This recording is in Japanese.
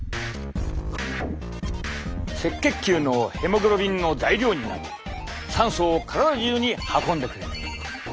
赤血球のヘモグロビンの材料になり酸素を体中に運んでくれる。